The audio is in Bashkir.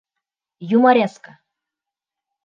Юмореска